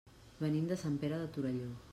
Venim de Sant Pere de Torelló.